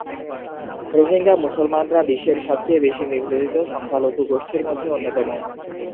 রোহিঙ্গা মুসলমানরা বিশ্বের সবচেয়ে বেশি নির্যাতিত সংখ্যালঘু গোষ্ঠীর মধ্যে অন্যতম।